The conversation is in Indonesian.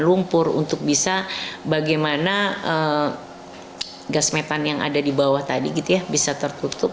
untuk bisa bagaimana gas metan yang ada di bawah tadi bisa tertutup